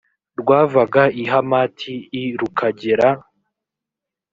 rwavaga i hamati i rukagera